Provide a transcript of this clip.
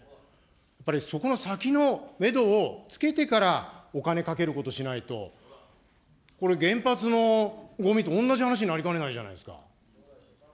やっぱりそこの先のメドをつけてからお金かけることしないと、これ、原発のごみと同じ話になりかねないじゃないですか。